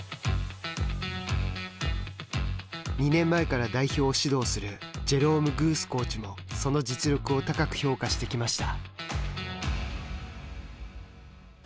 ２年前から代表を指導するジェローム・グースコーチもその実力を高く評価してきました。